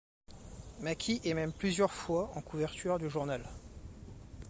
Maki est même plusieurs fois en couverture du journal.